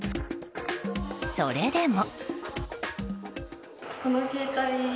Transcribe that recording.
それでも。